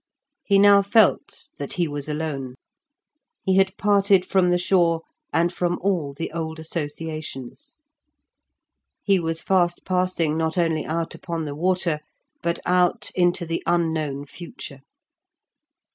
He now felt that he was alone. He had parted from the shore, and from all the old associations; he was fast passing not only out upon the water, but out into the unknown future.